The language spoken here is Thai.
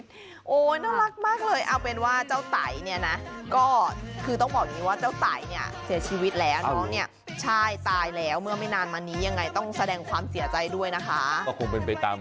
ถึงบอกว่าเจ้ากรรมในเวรคุณยายเนี่ยเยอะ